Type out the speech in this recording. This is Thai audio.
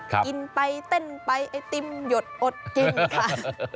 กินไปเต้นไปไอติมหยดอดกินค่ะ